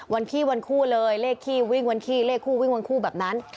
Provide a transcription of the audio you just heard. พี่วันคู่เลยเลขขี้วิ่งวันขี้เลขคู่วิ่งวันคู่แบบนั้น